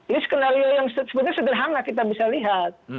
ini skenario yang sebenarnya sederhana kita bisa lihat